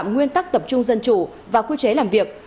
nguyên tắc tập trung dân chủ và quy chế làm việc